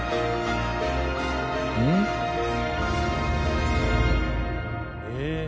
うん？えっ。